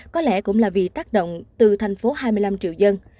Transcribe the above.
có lẽ cũng là vì tác động từ thành phố hai mươi năm triệu dân